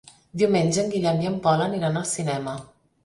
Diumenge en Guillem i en Pol aniran al cinema.